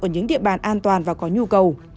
ở những địa bàn an toàn và có nhu cầu